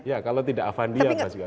iya kalau tidak avandia basuki abdullah